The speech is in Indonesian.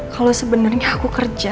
kalau sebenernya aku kerja